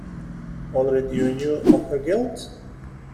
Already you knew of her guilt?